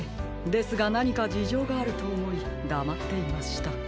ですがなにかじじょうがあるとおもいだまっていました。